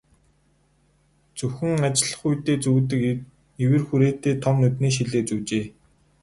Зөвхөн ажиллах үедээ зүүдэг эвэр хүрээтэй том нүдний шилээ зүүжээ.